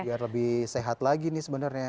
biar lebih sehat lagi nih sebenarnya